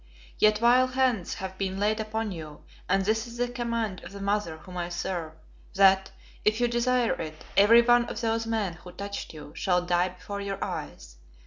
Yet vile hands have been laid upon you, and this is the command of the Mother whom I serve, that, if you desire it, every one of those men who touched you shall die before your eyes.